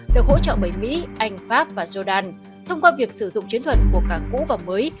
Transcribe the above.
được hỗ trợ bởi mỹ anh pháp và jodan thông qua việc sử dụng chiến thuật của cảng cũ và mới